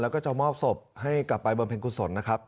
แล้วก็จะมอบศพให้กลับไปบริเวณเพียงคุณสนนะครับ